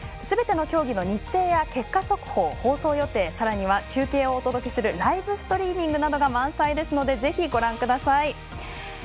すべての競技の日程や結果速報、放送予定さらには中継をお届けするライブストリーミングなどが満載ですので、ぜひご覧ください。